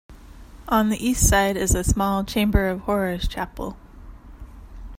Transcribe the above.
On the east side is a small 'chamber of horrors' chapel.